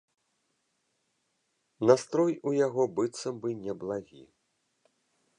Настрой у яго быццам бы неблагі.